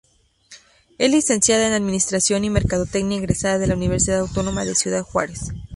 Es licenciada en Administración y Mercadotecnia egresa de la Universidad Autónoma de Ciudad Juárez.